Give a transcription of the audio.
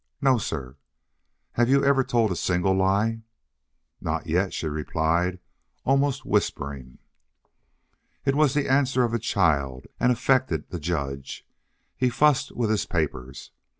"No, sir." "Have you ever told a single lie?" "Not yet," she replied, almost whispering. It was the answer of a child and affected the judge. He fussed with his papers.